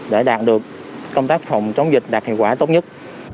để đạt được công tác phòng chống dịch đạt hiệu quả tốt nhất